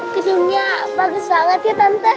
keringnya bagus banget ya tante